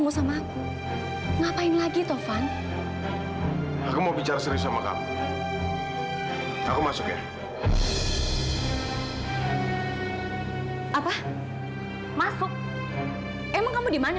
sampai jumpa di video selanjutnya